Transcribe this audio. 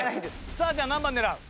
さあじゃあ何番狙う？